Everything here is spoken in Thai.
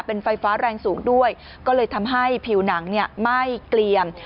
เป็นไฟฟ้าแรงสูงด้วยก็เลยทำให้ผิวหนังไหม้เกลี่ยม